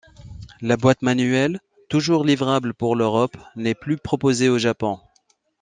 La boîte manuelle, toujours livrable pour l'Europe, n'est plus proposée au Japon.